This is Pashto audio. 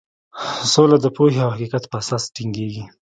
سوله د پوهې او حقیقت په اساس ټینګیږي.